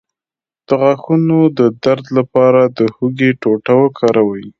د غاښونو د درد لپاره د هوږې ټوټه وکاروئ